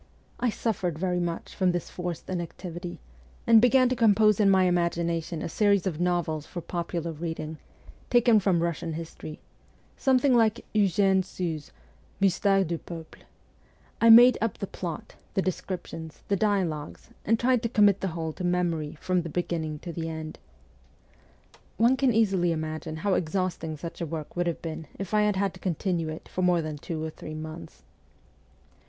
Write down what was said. I suffered very much from this VOL. II. L 146 MEMOIRS OF A REVOLUTIONIST forced inactivity, and began to compose in my imagina tion a series of novels for popular reading, taken from Russian history something like Eugene Sue's ' Mysteres du Peuple.' I made up the plot, the descriptions, the dialogues, and tried to commit the whole to memory from the beginning to the end. One can easily imagine how exhausting such a work would have been if I had had to continue it for more than two or three months.